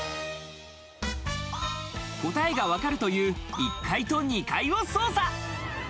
答えがわかるという、１階と２階を捜査。